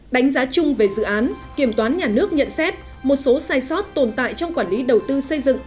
đánh giá chung về dự án kiểm toán nhà nước nhận xét một số sai sót tồn tại trong quản lý đầu tư xây dựng